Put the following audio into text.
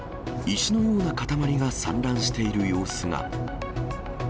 石のような塊が散乱している様子が。